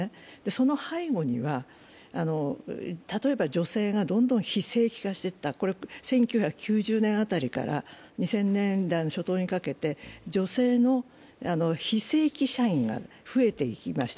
その背後には、例えば女性がどんどん非正規化していった１９９０年あたりから、２０００年代初頭にかけて、女性の非正規社員が増えていきました。